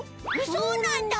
そうなんだ！